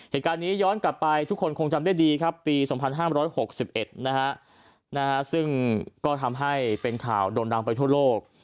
เหตุการณ์นี้ย้อนกลับไปทุกคนคงจำได้ดีครับปี๒๕๖๑ซึ่งก็ทำให้เป็นข่าวโด่งดังไปทั่วโลก